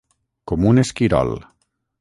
Com un esquirol.